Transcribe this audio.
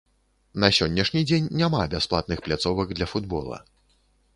На сённяшні дзень няма бясплатных пляцовак для футбола.